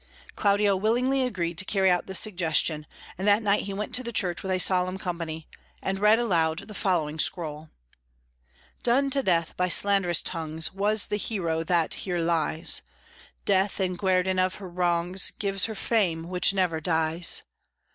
Claudio willingly agreed to carry out this suggestion, and that night he went to the church with a solemn company, and read aloud the following scroll: "Done to death by slanderous tongues Was the Hero that here lies; Death, in guerdon of her wrongs, Gives her fame which never dies.